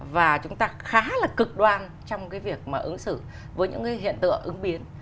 và chúng ta khá là cực đoan trong cái việc mà ứng xử với những cái hiện tượng ứng biến